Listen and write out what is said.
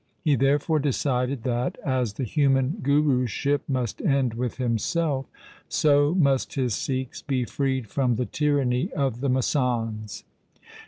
He therefore decided that, as the human Guruship must end with himself, so must his Sikhs be freed from the tyranny of the masands.